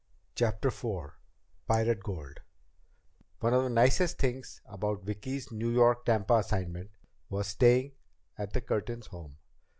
CHAPTER IV Pirate Gold One of the nicest things about Vicki's New York Tampa assignment was staying at the Curtins' home.